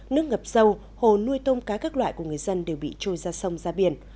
nước ngập sâu hồ nuôi tôm cá các loại của người dân đều bị trôi ra sông ra biển